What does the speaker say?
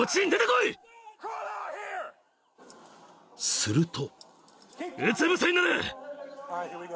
［すると］